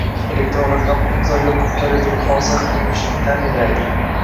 elektron raqamli imzo yopiq kaliti muhofaza qilinishini ta’minlaydi;